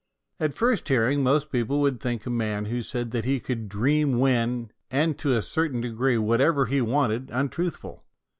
At first hearing, most people would think a man who said that he could dream when and, to a certain degree, whatever he wanted, untruthful.